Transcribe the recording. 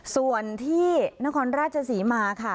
ส่วนที่นครราชศรีมาค่ะ